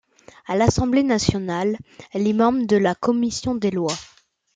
À l’Assemblée nationale, elle est membre de la commission des lois.